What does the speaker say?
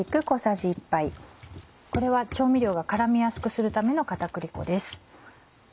これは調味料が絡みやすくするための片栗粉です。